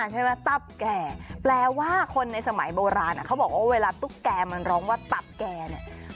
สำหรับตับแก่แปลว่าคนในสมัยโบราณเขาบอกว่าเวลาตุ๊กแก่มันร้องว่าตับแก่เนี่ย